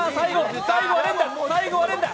最後は連打！